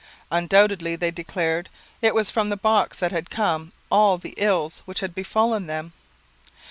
Undoubtedly, they declared, it was from the box that had come all the ills which had befallen them.